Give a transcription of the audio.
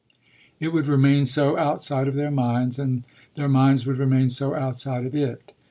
It would remain so outside of their minds and their minds would remain so outside of it.